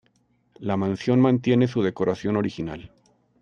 La mansión mantiene su decoración original.